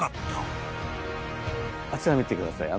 あちら見てください。